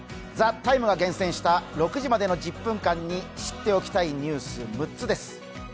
「ＴＨＥＴＩＭＥ，」が厳選した６時までの１０分間に知っておきたいニュース６つです。